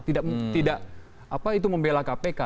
tidak membela kpk